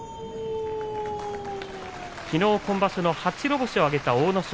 きのう今場所の初白星を挙げた阿武咲。